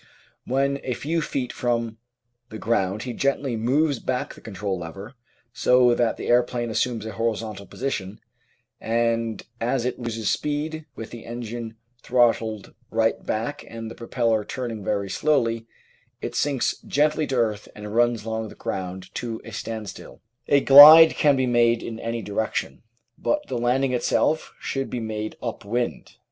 When a few feet from the ground he gently moves back the control lever, so that the aeroplane assumes a horizontal position, and as it loses speed with the engine throttled right back and the propeller turning very slowly, it sinks gently to earth and runs along the ground to a standstill. A glide can be made in any direction, but the landing itself should be made "up wind."